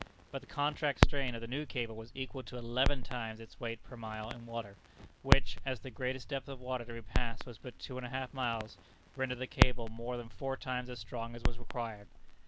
But the contract strain of the new cable was equal to eleven times its weight per mile in water, which, as the greatest depth of water to be passed was but two and a half miles, rendered the cable more than four times as strong as was required.